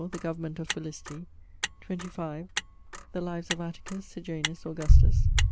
The Government of Felicity. 25. The Lives of Atticus, Sejanus, Augustus.